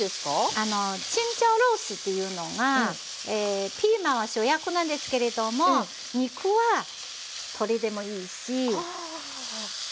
あのチンジャオロースーっていうのがピーマンは主役なんですけれども肉は鶏でもいいし牛肉でも。